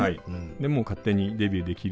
でもう勝手にデビューできる。